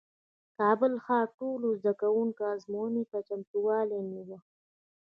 کابل ښار ټولو زدکوونکو ازموینې ته چمتووالی نیوه